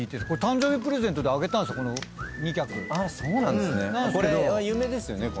これ誕生日プレゼントであげたんすよ